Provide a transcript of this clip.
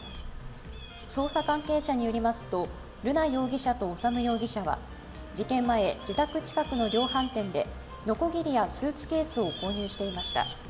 捜査関係者によりますと、瑠奈容疑者と修容疑者は事件前、自宅近くの量販店でのこぎりやスーツケースを購入していました。